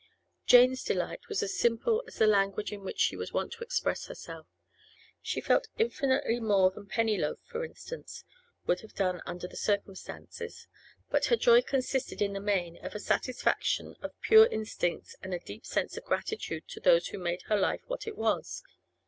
Jane's delight was as simple as the language in which she was wont to express herself. She felt infinitely more than Pennyloaf, for instance, would have done under the circumstances; but her joy consisted, in the main, of a satisfaction of pure instincts and a deep sense of gratitude to those who made her life what it was.